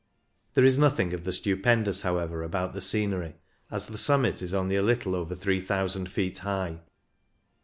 There is nothing of the stupendous, however, about the scenery, as the summit is only a little over 3,000 feet high.